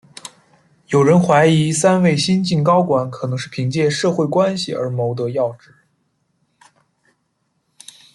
有人怀疑三位新晋高管可能是凭借社会关系而谋得要职。